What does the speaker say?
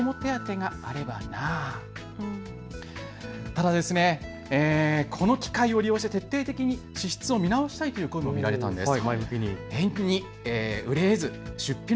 ただ、この機会を利用して徹底的に支出を見直したいという声も見られたんです。